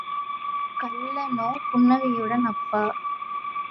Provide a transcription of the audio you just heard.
கள்ளனோ புன்னகையுடன் அப்பா!